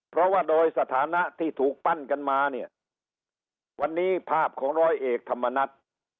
เพราะว่าโดยสถานะที่ถูกปั้นกันมาเนี่ยวันนี้ภาพของร้อยเอกธรรมนัฐ